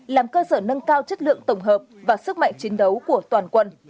làm cơ sở nâng cao chất lượng tổng hợp và sức mạnh chiến đấu của toàn quân